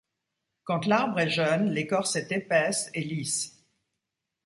Quand l'arbre est jeune, l’écorce est épaisse et lisse.